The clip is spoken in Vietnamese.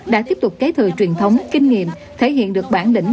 đã tiếp tục kế thừa truyền thống kinh nghiệm thể hiện được bản lĩnh